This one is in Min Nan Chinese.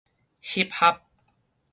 翕合